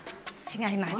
違います。